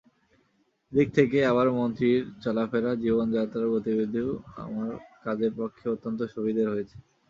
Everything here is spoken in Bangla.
এদিক থেকে আবার মন্ত্রীর চলাফেরা জীবনযাত্রার গতিবিধিও আমার কাজের পক্ষে অত্যন্ত সুবিধের হয়েছে।